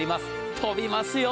飛びますよ。